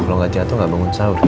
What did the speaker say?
kalau gak jatuh gak bangun sahur